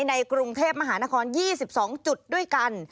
ในกรุงเทพมหานคร๒๒จุดด้วยกัน